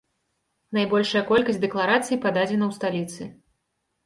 Найбольшая колькасць дэкларацый пададзена ў сталіцы.